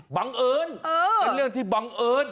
บังเอิญเป็นเรื่องที่บังเอิญ